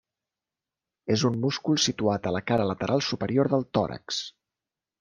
És un múscul situat a la cara lateral superior del tòrax.